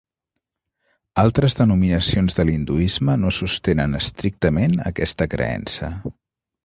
Altres denominacions de l'hinduisme no sostenen estrictament aquesta creença.